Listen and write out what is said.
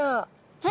はい。